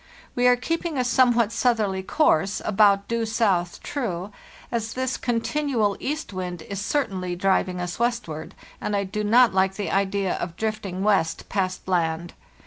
We are keeping a somewhat southerly course, about due south (true), as this continual east wind is certainly driving us westward, and I do not like the idea of drifting west past land.